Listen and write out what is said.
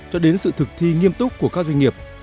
cho đến sự thực thi nghiêm túc của các doanh nghiệp